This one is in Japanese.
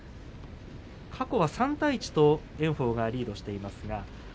過去は３対１と炎鵬がリードしています。